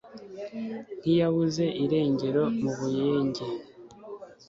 Nk'iyabuze irengero mu Buyenge.